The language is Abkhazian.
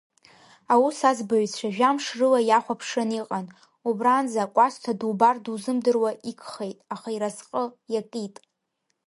Аус аӡбаҩцәа жәамш рыла иахәаԥшран иҟан, убранӡа Кәасҭа дубар дузымдыруа игхеит, аха иразҟы иакит.